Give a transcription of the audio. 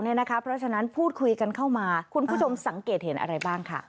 เพราะฉะนั้นพูดคุยกันเข้ามาคุณผู้ชมสังเกตเห็นอะไรบ้างค่ะ